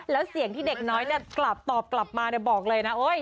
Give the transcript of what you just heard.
แล้วเสียงที่เด็กน้อยเนี่ยกลับตอบกลับมาเนี่ยบอกเลยนะโอ้ย